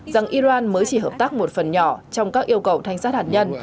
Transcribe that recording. rằng iran mới chỉ hợp tác một phần nhỏ trong các yêu cầu thanh sát hạt nhân